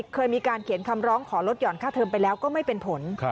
เคยมีการเขียนคำร้องขอลดห่อนค่าเทิมไปแล้วก็ไม่เป็นผล